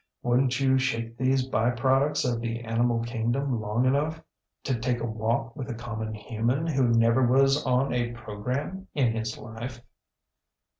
WouldnŌĆÖt you shake these by products of the animal kingdom long enough to take a walk with a common human who never was on a programme in his life?